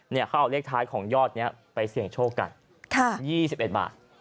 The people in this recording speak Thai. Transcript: เนี่ยเขาเอาเรียกท้ายของยอดเนี้ยไปเสี่ยงโชคกันค่ะยี่สิบเอ็ดบาทอ๋อ